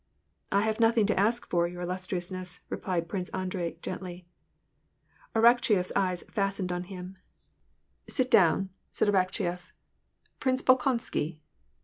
"I have nothing to ask for, your illustriousness," replied Prince Andrei gently. Arakcheyef's eyes fastened on him. WAR AND PEACE. 166 " Sit down," said Arakcheyef, " Prince Bolkonsky